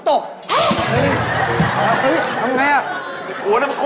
โบ๊คด์ตก